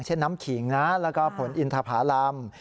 เช่นน้ำขิงนะแล้วก็ผลอินทภารำ